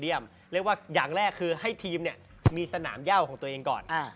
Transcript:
เรียกว่าอย่างแรกคือให้ทีมเนี่ยมีสนามย่าของตัวเองก่อน